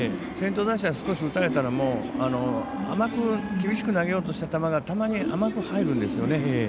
先頭打者、少し打たれたら厳しく投げようとした球がたまに甘く入るんです。